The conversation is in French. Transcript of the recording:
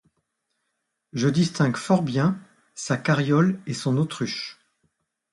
Je distingue fort bien sa carriole et son autruche !…